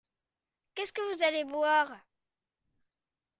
Qu’est-ce que vous allez boire ?